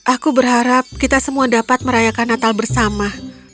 aku berharap kita semua dapat merayakan natal bersama